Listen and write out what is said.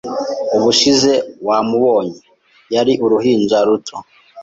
Ubushize wamubonye, yari uruhinja ruto.